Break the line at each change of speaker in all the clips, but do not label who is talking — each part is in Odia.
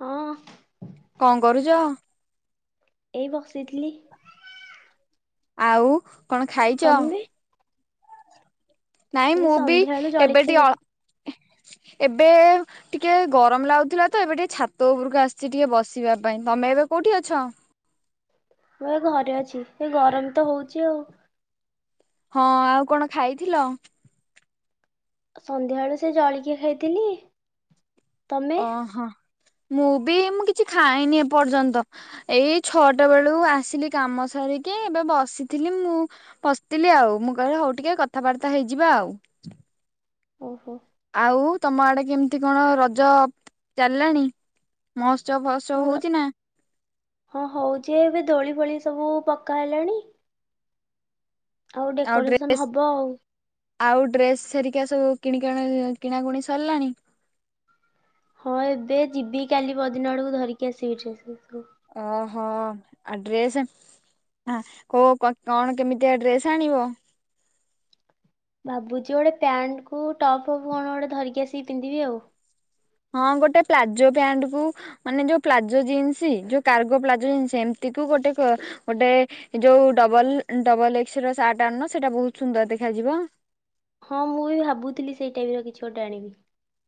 ହଁ
କଣ କରୁଚ?
ଏଇ ବସିଥିଲି।
ଆଉ କଣ ଖାଇଚ?
ତମେ
ନାଇଁ
ଏଇ
ମୁଁ ବି
ସନ୍ଧ୍ୟାବେଳୁ
ଏବେ
ଜଳଖିଆ
ଟିକେ
ଖାଇଥିଲି।
ଅ ଏବେ ଟିକେ ଗରମ ଲାଗୁଥିଲା ତ ଏବେ ଟିକେ ଛାତ ଉପରକୁ ଆସଚି ଟିକେ ବସିବା ପାଇଁ ତମେ ଏବେ କୋଉଠି ଅଛ?
ମୁଁ ଏ ଘରେ ଅଛି ହେଇ ଗରମ ତ ହୋଉଚି ଆଉ।
ହଁ ଆଉ କଣ ଖାଇଥିଲ?
ସନ୍ଧ୍ୟା ବେଳୁ ସେ ଜଳିଖିଆ ଖାଇଥିଲି। ତମେ
ଓହୋ ମୁଁ ବି ମୁଁ କିଛି ଖାଇନି ଏପର୍ଯ୍ୟନ୍ତ। ଏଇ ଛଅଟା ବେଳୁ ଆସିଲି କାମ ସାରିକି ଏବେ ବସିଥିଲି ମୁଁ ପସ୍ଥିଲି ଆଉ ମୁଁ କହିଲି ହୋଉ ଟିକେ କଥାବାର୍ତ୍ତା ହେଇଯିବା।
ଓ ହୋ।
ଆଉ ତମ ଆଡେ କେମିତି କଣ ରଜ ଚାଲିଲାଣି? ମହୋସ୍ତ୍ରବ ମହୋତ୍ସବ ଫାହୋତ୍ସବ
ହଁ ର
ହୋଉଚି ନା?
ହଁ ହୋଉଚି ଏବେ ଦୋଳି ଫୋଳି ସବୁ ପକା ହେଲାଣି।
ଆଉ ଡ୍ରେସ୍
ଡେକୋରେସନ ହବ ଆଉ।
ଆଉ ଡ୍ରେସ ସେରିକା ସବୁ କିଣି କିଣା କିଣାକୁଣି ସରିଲାଣି?
ହଁ ଏବେ ଯିବି କାଲି ପରଦିନ ଆଡକୁ ଧରିକି ଆସିବି ଡ୍ରେସ୍ ଫେସ୍ ସବୁ।
ଓ ହୋ ଆ ଡ୍ରେସ୍ ଆ କୋ କଣ କେମିତିଆ ଡ୍ରେସ୍ ଆଣିବ?
ଭାବୁଚି ଗୋଟେ ପ୍ୟାଣ୍ଟ୍ କୁ ଟପ୍ ଫପ୍ କଣ ଗୋଟେ ଧରିକି ଆସିକି ପିନ୍ଧିବି ଆଉ।
ହଁ ଗୋଟେ ପ୍ଲାଜୋ ପ୍ୟାଣ୍ଟ କୁ ମାନେ ଯୋଉ ପ୍ଲାଜୋ ଜିନ୍ସ୍ ଯୋଉ କାର୍ଗୋ ପ୍ଲାଜୋ ଜିନ୍ସ୍ ଏମିତିକୁ ଗୋଟେ କ ଗୋଟେ ଯୋଉ ଡବଲ ଡବଲ ଏକ୍ସ ର ସାର୍ଟ ଆଣୁନ ସେଟା ବହୁତ ସୁନ୍ଦର ଦେଖାଯିବ।
ହଁ ମୁଁ ବି ଭାବୁଥିଲି ସେଇ ଟାଇପ୍ ର କିଛି ଗୋଟେ ଆଣିବି।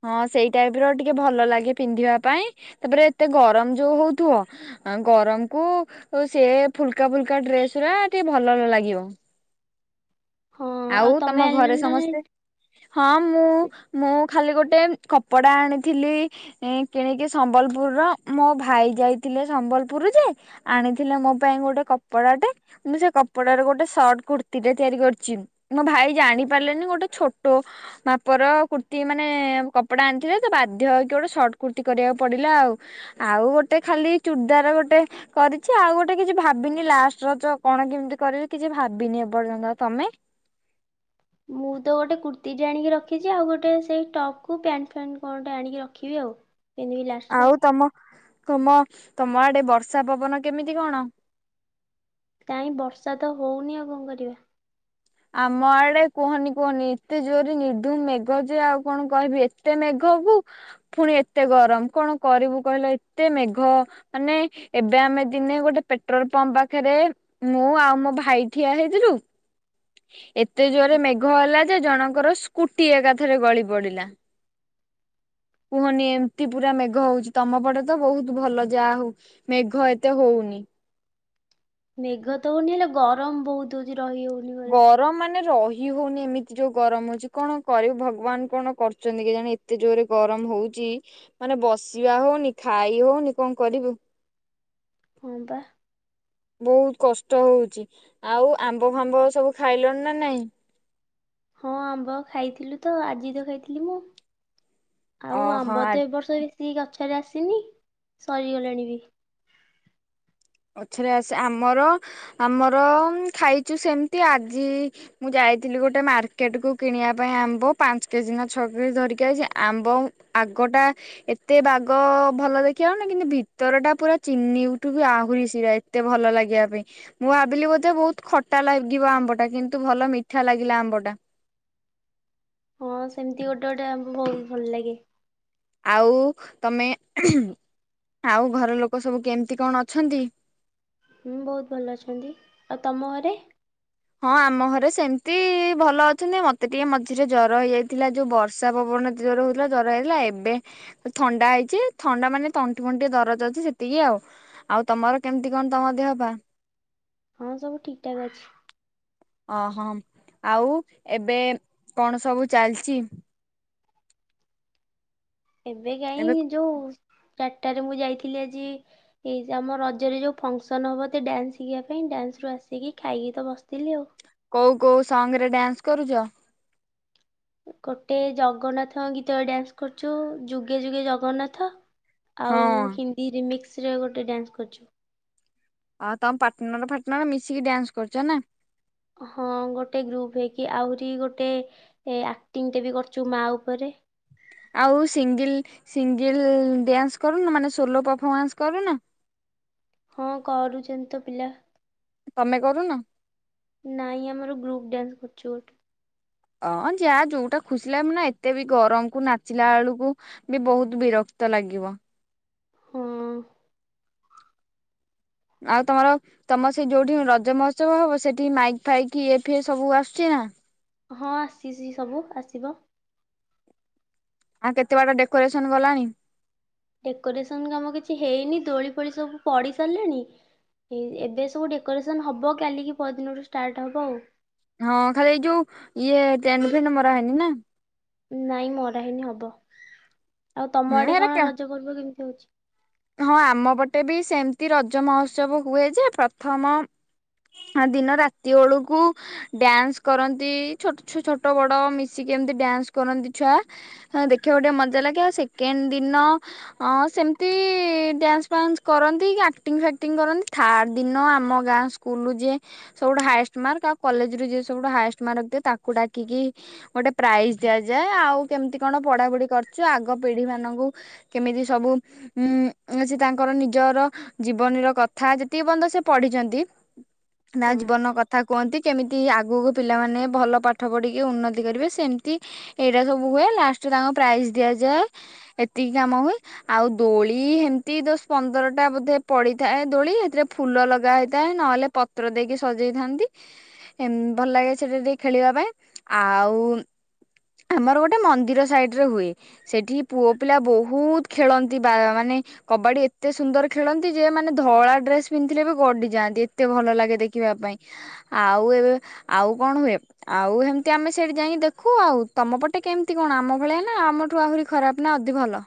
ହଁ ସେଇ ଟାଇପ୍ ର ଟିକେ ଭଲ ଲାଗେ ପିନ୍ଧିବା ପାଇଁ ତାପରେ ଏତେ ଗରମ ଯୋଉ ହଉଥିବ। ଆ ଗରମ କୁ ସେ ଫୁଲକା ଫୁଲକା ଡ୍ରେସ୍ ଉରା ଟିକେ ଭଲଲ୍ ଲାଗିବ।
ହଁ
ଆଉ
ତମେ
ତମ ଘରେ
ଆଣିଲଣି ନା ନାଇଁ
ସମସ୍ତେ। ହଁ ମୁଁ ମୁଁ ଖାଲି ଗୋଟେ କପଡ଼ା ଆଣିଥିଲି। ଏ କିଣିକି ସମ୍ବଲପୁର ର ମୋ ଭାଇ ଯାଇଥିଲେ ସମ୍ବଲପୁରୁ ଯେ ଆଣିଥିଲେ ମୋ ପାଇଁ ଗୋଟେ କପଡାଟେ ମୁଁ ସେ କପଡ ରୁ ଗୋଟେ ସର୍ଟ କୁର୍ତ୍ତିୀ ଟେ ତିଆରି କରିଚି। ମୋ ଭାଇ ଜାଣିପାରିଲେନି ଗୋଟେ ଛୋଟ ମାପ ର କୁର୍ତ୍ତି ମାନେ କପଡା ଆଣିଥିଲେ ତ ବାଧ୍ୟ ହେଇକି ଗୋଟେ ସର୍ଟ କୁର୍ତ୍ତି କରିବାକୁ ପଡିଲା ଆଉ। ଆଉ ଗୋଟେ ଖାଲି ଚୁଡ଼ଦାର ଗୋଟେ କରିଚି ଆଉ ଗୋଟେ କିଛି ଭାବିନି ଲାଷ୍ଟ ରଜ କଣ କେମିତି କରିବି କିଛି ଭାବିନି ଏପର୍ଯ୍ୟନ୍ତ ତମେ?
ମୁଁ ତ ଗୋଟେ କୁର୍ତ୍ତିୀଟେ ଆଣିକି ରଖିଛି ଆଉ ଗୋଟେ ସେଇ ଟପ୍ କୁ ପ୍ୟାଣ୍ଟ ଫ୍ୟାଣ୍ଟ କଣ ଟେ ଆଣିକି ରଖିବି ଆଉ। ପିନ୍ଧିବି ଲାଷ୍ଟରେ
ଆଉ ତମ ତମ ତମ ଆଡେ ବର୍ଷା ପବନ କେମିତି କଣ?
କାଇଁ ବର୍ଷା ତ ହୋଉନି ଆଉ କଣ କରିବା।
ଆମ ଆଡେ କୁହନି କୁହନି ଏତେ ଜୋରରେ ନିର୍ଦ୍ଧୁମ ମେଘ ଯେ ଆଉ କଣ କହିବି। ଏତ ଏତେ ମେଘକୁ ପୁଣି ଏତେ ଗରମ କଣ କରିବୁ କହିଲ ଏତେ ମେଘ ମାନେ ଏବେ ଆମେ ଦିନେ ଗୋଟେ ପେଟ୍ରୋଲ ପମ୍ପ ପାଖରେ ମୁଁ ଆଉ ମୋ ଭାଇ ଠିଆ ହେଇଥିଲୁ ଏତେ ଜୋରେ ମେଘ ହେଲା ଯେ ଜଣଙ୍କର ସ୍କୁଟି ଏକାଥରେ ଗଳି ପଡିଲା। କୁହନି ଏମତି ପୁରା ମେଘ ହୋଉଚି। ତମ ପଟେ ତ ବହୁତ ଭଲ ଯାହା ହଉ। ମେଘ ଏତେ ହୋଉନି।
ମେଘ ତ ହୋଉନି ହେଲେ ଗରମ ବହୁତ ହୋଉଚି ରହି ହଉ
ଗର୍ ରମ୍ ମାନେ ରହି ହଉନି ଏମିତି ଯୋଉ ଗରମ ହୋଉଚି କଣ କରିବୁ ଭଗବାନ କଣ କରୁଚନ୍ତି କେ ଜାଣି? ଏତେ ଜୋର ରେ ଗରମ ହୋଉଚି ମାନେ ବସିବା ହୋଉନି ଖାଇ ହୋଉନି କଣ କରିବୁ।
ହୁଁ ପା।
ବୋହୁତ୍ କଷ୍ଟ ହୋଉଚି। ଆଉ ଆମ୍ବ ଫାମ୍ବ ସବୁ ଖାଇଲଣି ନା ନାଇଁ?
ହଁ ଆମ୍ବ ଖାଇଥିଲୁ ତ ଆଜି ତ ଖାଇଥିଲି ମୁଁ। ଆଉ
ଓହୋ
ଆମ୍ବ
ଆ
ତ ଏ ବର୍ଷ ବେଶୀ ଗଛରେ ଆସିନି ସରିଗଲାଣି ବି।
ପଛରେ ଆସେ ଆମର ଆମର ଖାଇଚୁ ସେମିତି ଆଜି ମୁଁ ଯାଇଥିଲି ଗୋଟେ ମାର୍କେଟ କୁ କିଣିଆ ପାଇଁ ଆମ୍ବ ପାଞ୍ଚ କେଜି ନା ଛଅ କେଜି ଧରିକି ଆଇଚି। ଆମ୍ବ ଉଁ ଆଗଟା ଏତେ ବାଗ ଭଲ ଦେଖିବାକୁ ନୁଏଁ। କିନ୍ତୁ ଭିତର ଟା ପୁରା ଚିନି ଠୁ ବି ଆଉ ରୀ ଶିରା ଏତେ ଭଲ ଲାଗିବା ପାଇଁ ମୁଁ ଆବିଲି ବୋଧେ ବହୁତ ଖଟା ଲାଗିବ ଆମ୍ବ ଟା। କିନ୍ତୁ ଭଲ ମିଠା ଲାଗିଲା ଆମ୍ବ ଟା।
ହଁ ସେମିତି ଗୋଟେ ଗୋଟେ ଆମ୍ବ ବହୁତ ଭଲ ଲାଗେ।
ଆଉ ତମେ ଉଁ ହୁଁ ଆଉ ଘର ଲୋକ ସବୁ କେମିତି କଣ ଅଛନ୍ତି?
ହୁଁ ବହୁତ ଭଲ ଅଛନ୍ତି। ଆଉ ତମ ଘରେ?
ହଁ ଆମ ଘରେ ସେମତି ଭଲ ଅଛନ୍ତି ମତେ ଟିକେ ମଝିରେ ଜର ହେଇଯାଇଥିଲା ଯୋଉ ବର୍ ଷା ପବନ ଏତେ ଜୋର ରେ ହଉଥିଲା ଜର ହେଇଥିଲା। ଏବେ ଥଣ୍ଡା ହେଇଚି ଥଣ୍ଡା ମାନେ ତଣ୍ଟି ଫଣ୍ଟି ଦରଜ ଅଛି, ସେତିକି ଆଉ। ଆଉ ତମର କେମିତି କଣ ତମ ଦେହ ପା?
ହଁ ସବୁ ଠିକ୍ ଠାକ୍ ଅଛି।
ଓହୋ ଆଉ ଏବେ କଣ ସବୁ ଚାଲଚି?
ଏବେ କାହିଁ ଯୋଉ ଚାରିଟାରେ ମୁଁ ଯାଇଥିଲେ ଆଜି ହେଇଚି ଆମ ରଜରେ ଯଉ ଫଙ୍କସନ୍ ହବ ତି ଡ୍ୟାନ୍ସ ଶିଖିବା ପାଇଁ ଡ୍ୟାନ୍ସରୁ ଆସିକି ଖାଇକି ତ ବସିଥିଲି ଆଉ।
କଉ କଉ ସଙ୍ଗ ରେ ଡ୍ୟାନ୍ସ କରୁଚ?
ଗୋଟେ ଜଗନ୍ନାଥ ଗୀତରେ ଡ୍ୟାନ୍ସ କରୁଚୁ ଯୁଗେ ଯୁଗେ ଜଗନ୍ନାଥ।
ହଁ
ଆଉ ହିନ୍ଦୀ ରିମିକ୍ସରେ ଗୋଟେ ଡ୍ୟାନ୍ସ କରୁଚୁ।
ହଁ ତମ ପାର୍ଟନର ଫାଟନର ମିଶିକି ଡ୍ୟାନ୍ସ କରଚ ନା?
ହଁ ଗୋଟେ ଗ୍ରୁପ ହେଇକି ଆହୁରି ଗୋଟେ ଆକ୍ଟିଂଟେ ବି କରିଚୁ ମା ଉପରେ।
ଆଉ ସିଙ୍ଗିଲ୍ ସିଙ୍ଗିଲ୍ ଡ୍ୟାନ୍ସ କରୁନ ମାନେ ସୋଲୋ ପଫମାନ୍ସ କରୁନ?
ହଁ କରୁଚନ୍ତି ତ ପିଲା।
ତମେ କରୁନ?
ନାଇଁ ଆମର ଗ୍ରୁପ ଡ୍ୟାନ୍ସ କରୁଚୁ ଗୋଟେ।
ଅଁ ଯାଆ ଯୋଉଟା ଖୁସିଲା ନା ଏତେ ବି ଗରମ କୁ ନାଚିଲା ଆଳୁକୁ ବି ବହୁତ ବିରକ୍ତ ଲାଗିବ।
ହଁ।
ଆଉ ତମର ତମର ସେ ଯୋଉଠି ରଜ ମହୋତ୍ସବ ହବ ସେଠି ମାଇକ୍ ଫାଇକ୍ ଇଏ ଫିଏ ସବୁ ଆସୁଚି ନା?
ହଁ ଆସିସି ସବୁ ଆସିବ।
ଆଉ କେତେ ବାଟ ଡେକୋରେସନ ଗଲାଣି?
ଡେକୋରେସନ କାମ କିଛି ହେଇନି ଦୋଳି ଫୋଳି ସବୁ ପଡି ସାରିଲାଣି। ଏଇ ଏବେ ସବୁ ଡେକୋରେସନ୍ ହବ କାଲିକି ପହର ଦିନରୁ ଷ୍ଟାର୍ଟ ହବ ଆଉ।
ହଁ ଖାଲି ଏଇ ଯୋଉ ଇଏ ଟେଣ୍ଡ ଫେଣ୍ଡ ମରାହେଇନି ନା?
ନାଇଁ ମରାହେଇନି ହବ ଆଉ ତମ
ହୁଁ
ଆଡେ
ଏରା
କଣ
କା
ରଜ ପର୍ବ କେମିତି ହଉଚି?
ହଁ ଆମପଟେ ବି ସେମତି ରଜ ମହୋତ୍ସବ ହୁଏ ଯେ ପ୍ରଥମ ହ ଦିନ ରାତି ବେଳକୁ ଡ୍ୟାନ୍ସ କରନ୍ତି ଛ ଛୋଟ ବଡ ମିଶିକି ଏମିତି ଡ୍ୟାନ୍ସ କରନ୍ତି ଛୁଆ ହ ଦେଖିବାକୁ ଟିକେ ମଜା ଲାଗେ ଆ ସେକେଣ୍ଡ ଦିନ ଅ ସେମିତି ଡ୍ୟାନ୍ସ ଫାନ୍ସ କରନ୍ତି ଆକ୍ଟିଂ ଫାକ୍ଟିଙ୍ଗ କରନ୍ତି ଥାର୍ଡ ଦିନ ଆମ ଗାଁ ସ୍କୁଲରୁ ଯେ ସବୁୁ ହଏଷ୍ଟ ମ ଆଉ କଲେଜୁ ଯ ସବୁୁ ହଏଷ୍ଟ ମାର୍କ ଦ ତାକୁ ଡାକିକି ଗୋଟେ ପ୍ରାଇଜ ଦିଆଯାଏ ଆଉ କେମିତି କଣ ପଢା ପଢି କରୁଛୁ ଆଗ ପିଢି ମାନଙ୍କୁ କେମିତି ସବୁ ଉଁ ସେ ତାଙ୍କର ନିଜର ଜୀବନର କଥା ଯେତିକି ପର୍ଯ୍ୟନ୍ତ ସେ ପଢିଛନ୍ତି। ତା
ହଁ
ଜୀବନ କଥା। ତାଥା କୁହନ୍ତି କେମିତି ଆଗକୁ ପିଲାମାନେ ଭଲ ପାଠ ପଢ଼ିକି ଉନ୍ନତି କରିବେ ସେମିତି ଏଇଟା ସବୁ ହୁଏ ଲାଷ୍ଟରେ ତାଙ୍କୁ ପ୍ରାଇଜ ଦିଆଯାଏ। ଏତିକି କାମ ହୁଏ ଆଉ ଦୋଳିମତି ଦି ଦଶ ପନ୍ଦରଟା ବୋଧେ ପଡିଥାଏ ଦୋଳି ସେଥିରେ ଫୁଲ ଲଗା ହେଇଥାଏ ନହେଲେ ପତ୍ର ଦେଇକି ସଜେଇଥାନ୍ତି ଭଲ ଲାଗେ ସେଟା ଟିକେ ଖେଳିବା ପାଇଁ ଆଉ ଆମର ଗୋଟେ ମନ୍ଦିର ସାଇଡ ରେ ହୁଏ ସେଠି ପୁଅ ପିଲା ବହୁତ ଖେଳନ୍ତି ବା ମାନେ କବାଡି ଏତେ ସୁନ୍ଦର ଖେଳନ୍ତି ଯେ ମାନେ ଧଳା ଡ୍ରେସ ପିନ୍ଧିଥିଲେ ବି ଗଡିଯାନ୍ତି ଏତେ ଭଲ ଲାଗେ ଦେଖିବା ପାଇଁ ଆଉ ଏବେ ଆଉ କଣ ହୁଏ? ଆଉ ଏମତି ଆମେ ସେଇଠି ଯାଇକି ଦେଖୁ ଆଉ। ତମ ପଟେ କେମିତି କଣ ଆମ ଭଳିଆ ନା ଆମଠୁ ଆହୁରି ଖରାପ ନା ଅଧି ଭଲ?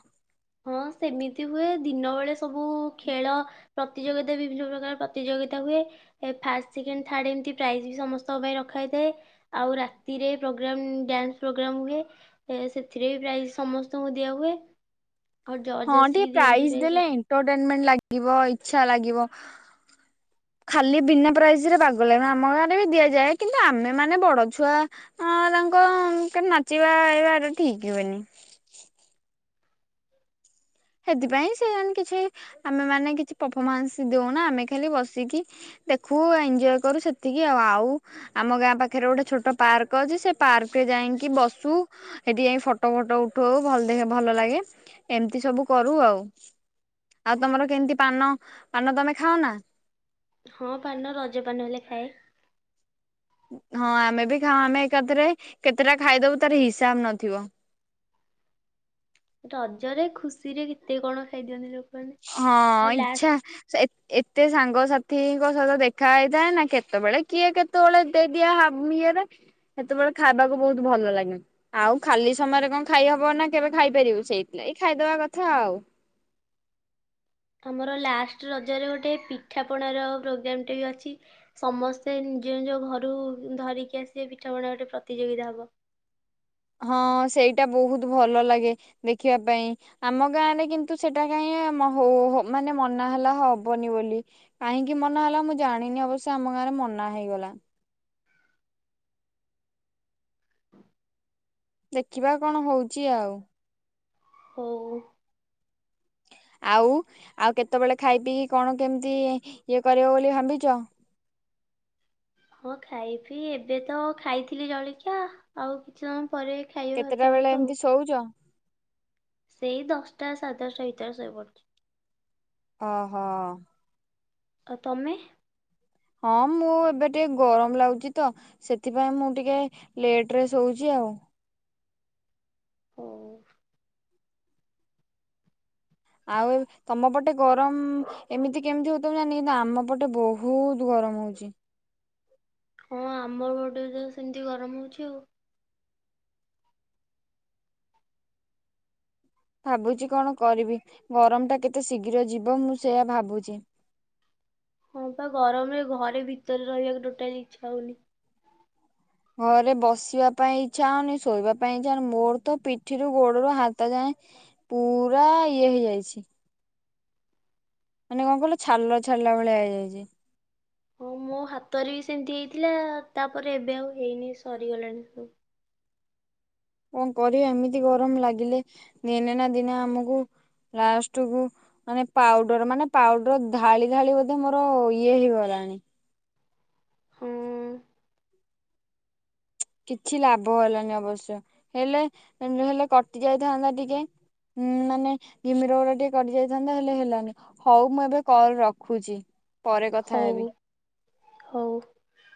ହଁ ସେମିତି ହୁଏ ଦିନ ବେଳେ ସବୁ ଖେଳ ପ୍ରତିଯୋଗିତା ବିଭିନ୍ନ ପ୍ରକାର ପ୍ରତିଯୋଗିତା ହୁଏ। ଏ ଫାଷ୍ଟ ସେକେଣ୍ଡ ଥାର୍ଡ ଏମିତି ପ୍ରାଇଜ ବି ସମସ୍ତଙ୍କ ପାଇଁ ରଖାଯାଇଥାଏ। ଆଉ ରାତିରେ ପ୍ରୋଗ୍ରାମ ଡ୍ୟାନ୍ସ ପ୍ରୋଗ୍ରାମ ହୁଏ। ଏ ସେଥିରେ ବି ପ୍ରାଇସ୍ ସମସ୍ତଙ୍କୁ ଦିଆହୁଏ।
ହଁ ଟିକେ ପ୍ରାଇଜ ଦେଲେ ଏଟରଟେଣ୍ଟ ଲାଗିବ ଇଛା ଲାଗିବ। ଖାଲି ବିନା ପ୍ରାଇଜ ରେ ବାଗ ଲାଗିବନି। ଆମ ଗାଁ ରେ ବି ଦିଆଯାଏ। କିନ୍ତୁ ଆମେ ମାନେ ବଡ ଛୁଆ ଆଁ ତାଙ୍କ କେତେ ନାଚିବା ଏଇବା ଟା ଠିକ ହୁଏନି। ସେଥିପାଇଁ ସେ ଆମେ କିଛି ଆମେ ମାନେ କିଛି ପରଫମାନ୍ସ ଦଉନା। ଆମେ ଖାଲି ବସିକି ଦେଖୁ ଏଞ୍ଜୟ କରୁ ସେତିକି ଆଉ। ଆଉ ଆମ ଗାଁ ପାଖରେ ଗୋଟେ ଛୋଟ ପାର୍କ ଅଛି। ସେ ପାର୍କରେ ଯାଇଁକି ବସୁ ସେଠି ଯାଇ ଫଟୋ ଫଟ ଉଠଉ। ଭଲ ଦେଖ ଭଲ ଲାଗେ। ଏମିତି ସବୁ କରୁ ଆଉ। ଆଉ ତମର କେମିତି ପାନ ପାନ ତମେ ଖାଅ ନା?
ହଁ ପାନ ରଜପାନ ହେଲେ ଖାଏ।
ହଁ ଆମେ ବି ଖାଉ। ଆମେ ଏକାଥରେ କେତେଟା ଖାଇଦବୁ ତାର ହିସାବ ନଥିବ।
ରଜରେ ଖୁସିରେ କେତେ କଣ ଖାଇଦିଅନ୍ତି ଲୋକ
ହଁ ଇଚ୍ଛା ସେ ଏତେ ଏତେ ସାଙ୍ଗସାଥିଙ୍କ ସହିତ ଦେଖା ହେଇଥାଏ ନା କେତେବେଳେ କିଏ କେତ୍ କେତେବେଳେ ଦେଇଦିଆ ହବ ଇଏରେ ସେତେବେଳେ ଖାଇବାକୁ ବହୁତ ଭଲ ଲାଗେ। ଆଉ ଖାଲି ସମୟରେ କଣ ଖାଇହବ ନା କେବେ ଖାଇପାରିବୁ ସେଇଥିଲାଗୀ। ଖାଇଦବା କଥା ଆଉ।
ମୋର ଲାଷ୍ଟ ରଜରେ ଗୋଟେ ପିଠାପଣାର ପ୍ରୋଗ୍ରାମ୍ ଟେ ବି ଅଛି। ସମସ୍ତେ ନିଜ ନିଜ ଘରୁ ଧରିକି ଆସିବେ ପିଠା ପଣା ଗୋଟେ ପ୍ରତିଯୋଗିତା ହବ।
ହଁ ସେଇଟା ବହୁତ ଭଲ ଲାଗେ ଦେଖିବା ପାଇଁ। ଆମ ଗାଁରେ କିନ୍ତୁ ସେଟା କାଇଁ ମ ହୋ ହ ମାନେ ମନା ହେଲା ହବନି ବୋଲି। କାହିଁକି ମନା ହେଲା ମୁଁ ଜାଣିନି ଅବଶ୍ୟ ଆମ ଗାଁ ରେ ମନା ହେଇଗଲା।
ହ [inaudible]
ଦେଖିବା କଣ ହଉଚି ଆଉ।
ହଉ।
ଆଉ ଆଉ କେତେବେଳେ ଖାଇ ପିଇକି କଣ କେମିତି ଇଏ କରିବ ବୋଲି ଭାବିଚ?
ହଁ ଖାଇ ପିଇ ଏବେ ତ ଖାଇଥିଲି ଜଳିଖିଆ ଆଉ କିଛି ସମୟ ପରେ ଖାଇବା
କେତେଟା
ଭାତ
ବେଳେ
ଫାତ ଆଉ।
ଏମିତି ଶୋଉଚ?
ସେଇ ଦଶଟା ସାଡ ଦଶଟା ଭିତରେ ଶୋଇ ପଡ଼ୁଚି।
ଅହୋ।
ଆଉ ତମେ?
ହଁ ମୁଁ ଏବେ ଟିକେ ଗରମ ଲାଗୁଚି ତ ସେଥିପାଇଁ ମୁଁ ଟିକେ ଲେଟ ରେ ଶୋଉଚି ଆଉ।
ହଉ।
ଆଉ ତମ ପଟେ ଗରମ ଏମିତି କେମିତି ହଉ ଥିବ ଜାଣିନି କିନ୍ତୁ ଆମ ପଟେ ବହୁତ ଗରମ ହଉଚି।
ହଁ ଆମ ପଟେ ତ ସେମିତି ଗରମ ହଉଚି ଆଉ।
ଭାବୁଚି କଣ କରିବି ଗରମ ଟା କେତେ ଶୀଘ୍ର ଯିବ ମୁଁ ସେଇୟା ଭାବୁଚି।
ହଁ ବା ଗରମରେ ଘରେ ଭିତରେ ରହିବାକୁ ଟୋଟାଲି ଇଚ୍ଛା ହଉନି।
ଘରେ ବସିବା ପାଇଁ ଇଚ୍ଛା ହଉନି। ଶୋଇବା ପାଇଁ ଇଚ୍ଛା ହଉନି। ମୋର ତ ପିଠିରୁ ଗୋଡରୁ ହାତ ଯାଏଁ ପୁରା ଇଏ ହେଇଯାଇଚି। ମାନେ କଣ କହିଲୁ ଛାଲ ଛାଡିଲା ଭଳିଆ ହେଇଯାଇଚି।
ହଁ ମୋ ହାତରେ ବି ସେମିତି ହେଇଥିଲା। ତା ପରେ ଏବେ ଆଉ ହେଇନି ସରିଗଲାଣି ସବୁ।
କଣ କରିବା ଏମିତି ଗରମ ଲାଗିଲେ ଦିନେ ନା ଦିନେ ଆମକୁ ଲାଷ୍ଟ କୁ ମାନେ ପାଉଡର ମାନେ ପାଉଡର ଢାଳି ଢାଳି ବୋଧେ ମୋର ଇଏ ହେଇଗଲାଣି।
ହୁଁ
କିଛି ଲାଭ ହେଲାନି ଅବଶ୍ୟ, ହେଲେ ହେଲେ କଟି ଯାଇଥାନ୍ତା ଟିକେ ହୁଁ, ମାନେ ଘିମିର ଗୋରା ଟିକେ କଟି ଯାଇଥାନ୍ତା ହେଲେ ହେଲାନି। ହଉ ମୁଁ ଏବେ କଲ ରଖୁଛି? ପରେ
ହଉ,
କଥା ହେବି।
ହଉ।